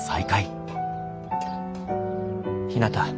ひなた。